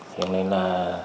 hiện nay là